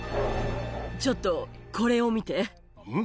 ちょっと、これを見て。